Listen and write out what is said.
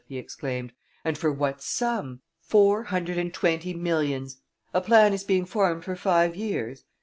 he exclaimed "and for what sum? four hundred and twenty millions! A plan is being formed for five years?